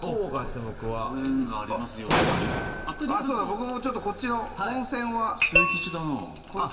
僕もちょっとこっちの。